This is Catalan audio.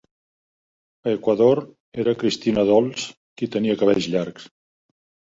A Ecuador, era Christina Dolls qui tenia cabells llargs.